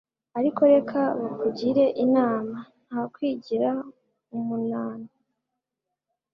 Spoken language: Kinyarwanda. ariko reka bakugire inama nta kwigira umunan